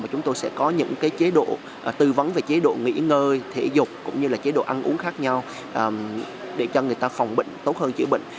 và chúng tôi sẽ có những chế độ tư vấn về chế độ nghỉ ngơi thể dục cũng như chế độ ăn uống khác nhau để cho người ta phòng bệnh tốt hơn chữa bệnh